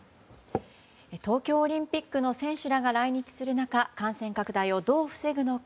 東京オリンピックの選手らが来日する中感染拡大をどう防ぐのか。